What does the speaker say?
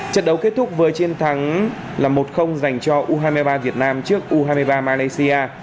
trận đấu kết thúc với chiến thắng là một dành cho u hai mươi ba việt nam trước u hai mươi ba malaysia